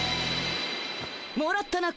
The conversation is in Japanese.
もらったな